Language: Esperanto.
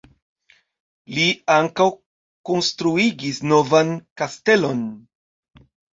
Li ankaŭ konstruigis novan kastelon.